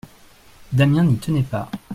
Damiens n'y tenait pas.